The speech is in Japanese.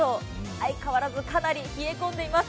相変わらず、かなり冷え込んでいます。